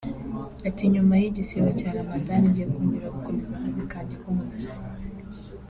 Ati “Nyuma y’igisibo cya Ramadhan ngiye kongera gukomeza akazi kanjye k’umuziki